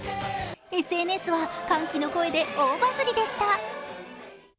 ＳＮＳは歓喜の声で大バズりでした。